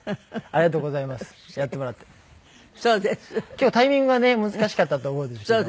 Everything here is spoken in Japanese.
結構タイミングがね難しかったと思うんですけど。